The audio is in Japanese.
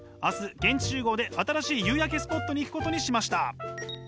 明日現地集合で新しい夕焼けスポットに行くことにしました。